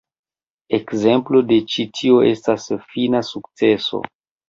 Ekzemplo de ĉi tio estas "Fina Sukceso".